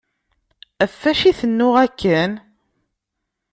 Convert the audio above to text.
Ɣef acu i tennuɣ akken?